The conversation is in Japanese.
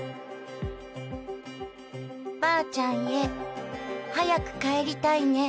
ばあちゃんへはやくかえりたいね。